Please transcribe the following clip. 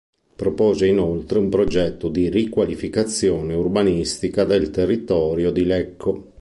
Propose inoltre un progetto di riqualificazione urbanistica del territorio di Lecco.